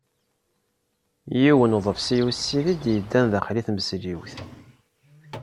Yiwen uḍebsi ussid i d-yeddan daxel i tmesliwt.